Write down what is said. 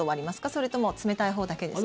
それとも冷たいほうだけですか？